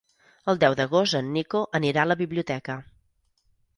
El deu d'agost en Nico anirà a la biblioteca.